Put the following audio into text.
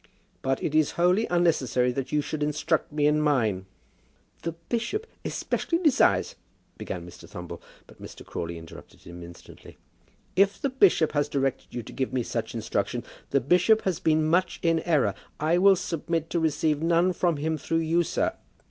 "But it is wholly unnecessary that you should instruct me in mine." "The bishop especially desires " began Mr. Thumble. But Mr. Crawley interrupted him instantly. "If the bishop has directed you to give me such instruction, the bishop has been much in error. I will submit to receive none from him through you, sir.